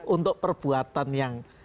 untuk perbuatan yang